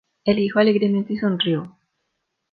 El hijo alegremente sonrió.